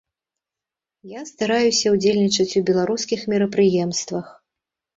Я стараюся ўдзельнічаць у беларускіх мерапрыемствах.